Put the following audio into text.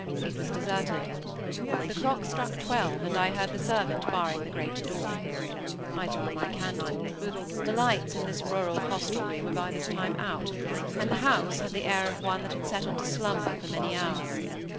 It was deserted. The clock struck twelve, and I heard the servant barring the great door. I took my candle. The lights in this rural hostelry were by this time out, and the house had the air of one that had settled to slumber for many hours.